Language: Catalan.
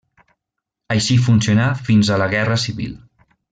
Així funcionà fins a la guerra civil.